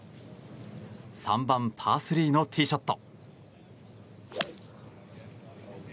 ３番、パー３のティーショット。